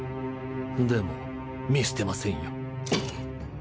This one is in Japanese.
でも見捨てませんよ。